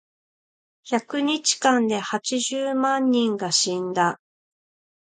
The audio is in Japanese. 百日間で八十万人が死んだ。